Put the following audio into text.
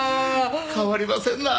変わりませんなあ。